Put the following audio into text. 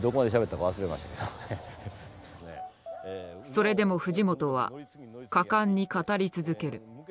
それでも藤本は果敢に語り続ける。